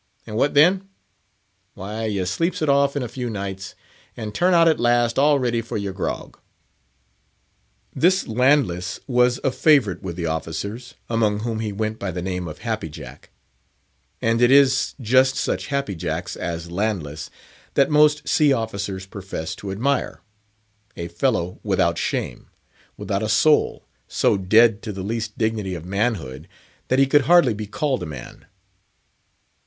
And what then? Why, you sleeps it off in a few nights, and turn out at last all ready for your grog." This Landless was a favourite with the officers, among whom he went by the name of "Happy Jack." And it is just such Happy Jacks as Landless that most sea officers profess to admire; a fellow without shame, without a soul, so dead to the least dignity of manhood that he could hardly be called a man.